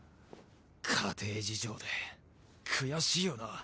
家庭事情で悔しいよなぁ。